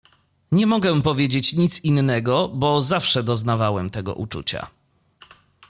— Nie mogę powiedzieć nic innego… bo zawsze doznawałem tego uczucia.